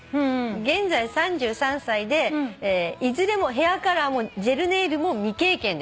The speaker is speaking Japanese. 「現在３３歳でいずれもヘアカラーもジェルネイルも未経験です」